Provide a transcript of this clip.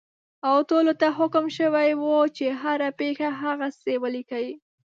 او ټولو ته حکم شوی وو چې هره پېښه هغسې ولیکي.